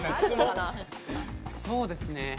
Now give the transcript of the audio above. そうですね。